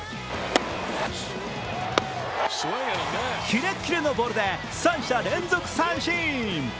キレッキレのボールで三者連続三振。